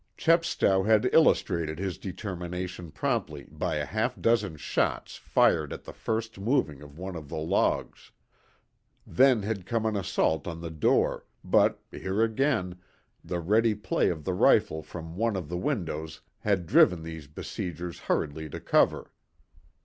Chepstow had illustrated his determination promptly by a half dozen shots fired at the first moving of one of the logs. Then had come an assault on the door, but, here again, the ready play of the rifle from one of the windows had driven these besiegers hurriedly to cover.